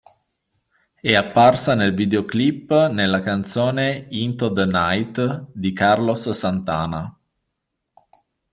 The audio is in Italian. È apparsa nel videoclip nella canzone "Into the Night" di Carlos Santana.